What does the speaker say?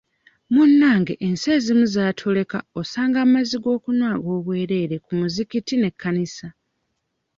Munnange ensi ezimu zaatuleka osanga amazzi ag'okunywa ag'obwerere ku mizikiti n'ekkanisa.